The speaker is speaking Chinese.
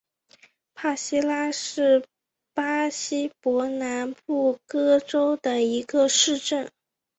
帕西拉是巴西伯南布哥州的一个市镇。